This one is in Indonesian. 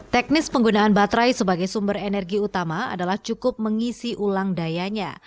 teknis penggunaan baterai sebagai sumber energi utama adalah cukup mengisi ulang dayanya